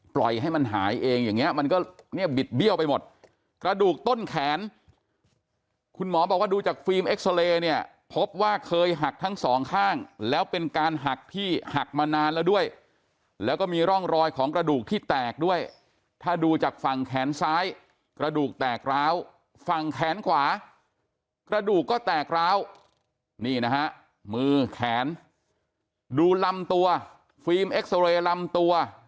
ปล่อยให้มันหายเองอย่างเงี้มันก็เนี่ยบิดเบี้ยวไปหมดกระดูกต้นแขนคุณหมอบอกว่าดูจากฟิล์มเอ็กซาเรย์เนี่ยพบว่าเคยหักทั้งสองข้างแล้วเป็นการหักที่หักมานานแล้วด้วยแล้วก็มีร่องรอยของกระดูกที่แตกด้วยถ้าดูจากฝั่งแขนซ้ายกระดูกแตกร้าวฝั่งแขนขวากระดูกก็แตกร้าวนี่นะฮะมือแขนดูลำตัวฟิล์มเอ็กซอเรย์ลำตัว